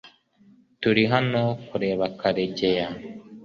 Turi hano kureba Karegeya .